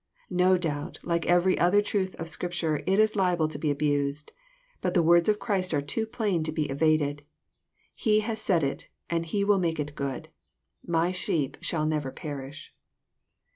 No doubt, like every other truth of Scripture, it is liable to be abased. But the words of Christ are too plain to be eva ded. He has said it, and He will tnake it good, —'^ My sheep shall never perish."